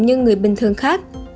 như người bình thường khác